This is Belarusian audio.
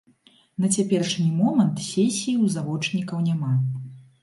На цяперашні момант сесіі ў завочнікаў няма.